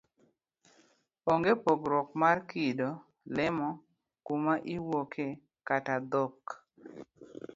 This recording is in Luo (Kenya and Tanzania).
Onge' pogruok mar kido, lemo, kuma iwuoke kata dhok.